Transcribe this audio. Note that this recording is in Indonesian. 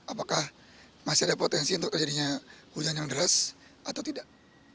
apakah masih ada potensi untuk terjadinya hujan yang deras atau tidak